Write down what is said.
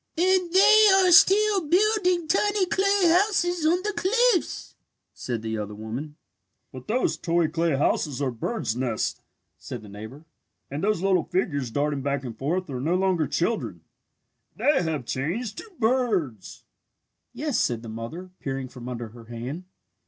"And they are still building tiny clay houses on the cliffs!" said the other woman. "But those toy clay houses are birds' nests," said the neighbour, "and those little figures darting back and forth are no longer children. They have changed to birds!" "Yes," said the mother, peering from under her hand.